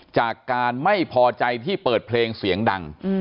จากการไม่พอใจที่เปิดเพลงเสียงดัง